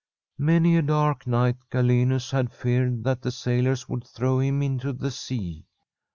Many a dark night Ga lenus had feared that the sailors would throw him into the sea.